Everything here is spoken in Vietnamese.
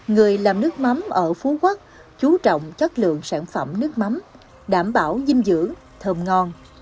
người làm nước mắm ở phú quốc chú trọng chất lượng sản phẩm nước mắm đảm bảo dinh dưỡng thơm ngon